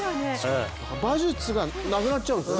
馬術がなくなっちゃうんですね。